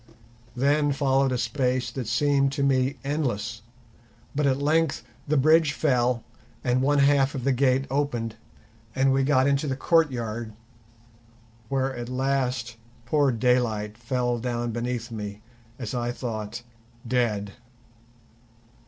Then followed a space that seemed to me endless, but at length the bridge fell and one half of the gate opened and we got into the courtyard, where at last poor Daylight fell down beneath me, as I thought, dead.